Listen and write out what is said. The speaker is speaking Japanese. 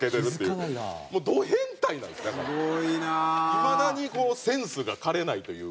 いまだにセンスが枯れないというか。